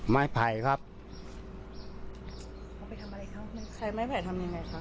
ไม่ภัยครับเขาไปทำอะไรครับใครไม่ภัยทำยังไงครับ